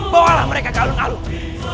bawalah mereka ke alung alung